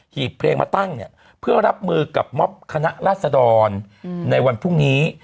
ีบเพลงมาตั้งเนี่ยเพื่อรับมือกับม็อบคณะราษดรในวันพรุ่งนี้